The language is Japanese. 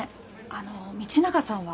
あの道永さんは。